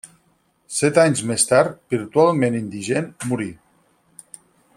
Set anys més tard, virtualment indigent, morí.